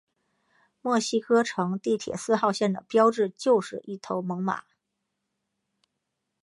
墨西哥城地铁四号线的标志就是一头猛犸。